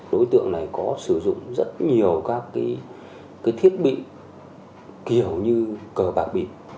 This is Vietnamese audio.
đối tượng này có sử dụng rất nhiều các thiết bị kiểu như cờ bạc bị